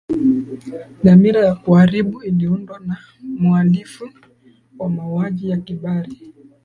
dhamira ya kuharibu iliundwa na mhalifu wa mauaji ya kimbari